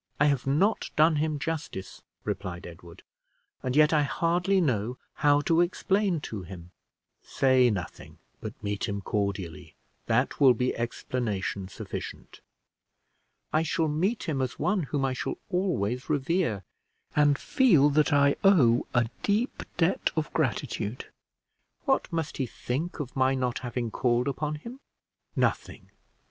I have not done him justice," replied Edward; "and yet I hardly know how to explain to him." "Say nothing, but meet him cordially; that will be explanation sufficient." "I shall meet him as one whom I shall always revere and feel that I owe a deep debt of gratitude. What must he think of my not having called upon him!" "Nothing.